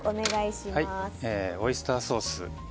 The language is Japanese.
オイスターソース。